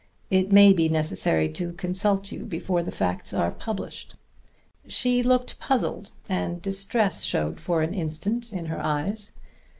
It may be necessary to consult you before the facts are published." She looked puzzled, and distress showed for an instant in her eyes.